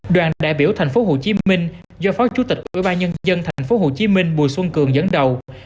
đoàn đại biểu tp hcm do phó chủ tịch ủy ban nhân dân tp hcm bùi xuân cường dẫn đầu